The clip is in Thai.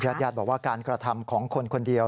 ญาติญาติบอกว่าการกระทำของคนคนเดียว